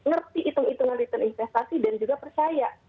ngerti hitung hitungan return investasi dan juga percaya